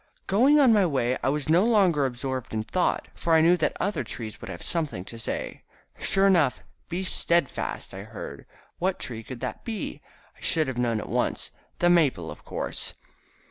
Going on my way I was no longer absorbed in thought, for I knew that other trees would have something to say. Sure enough, "Be steadfast," I heard. What tree could that be? I should have known at once. The maple, of course.